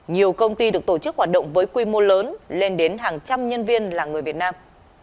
nhiều công ty được tổ chức hoạt động với quy mô lớn lên đến hàng trăm nhân viên là người việt nam